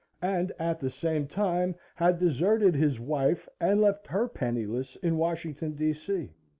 and at the same time had deserted his wife and left her penniless in Washington, D. C.